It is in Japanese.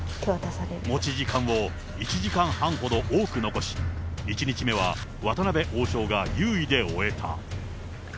持ち時間を１時間半ほど多く残し、１日目は渡辺王将が優位で終えた。